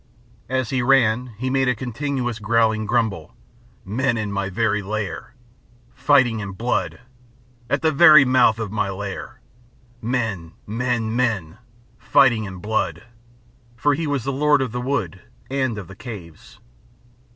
As he ran he made a continuous growling grumble. "Men in my very lair! Fighting and blood. At the very mouth of my lair. Men, men, men. Fighting and blood." For he was the lord of the wood and of the caves.